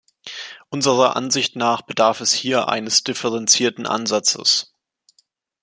Unserer Ansicht nach bedarf es hier eines differenzierten Ansatzes.